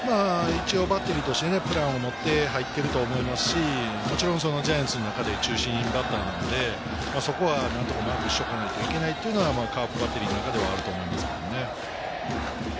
バッテリーとしてプランを持って入ってると思いますし、もちろんジャイアンツの中で中心バッターなので、そこは何とかマークしなきゃいけないというのがカープバッテリーの中ではあると思います。